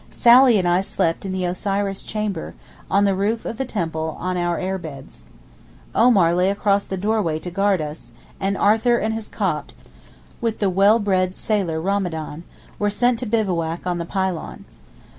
Sally and I slept in the Osiris chamber, on the roof of the temple, on our air beds. Omar lay across the doorway to guard us, and Arthur and his Copt, with the well bred sailor Ramadan, were sent to bivouac on the Pylon.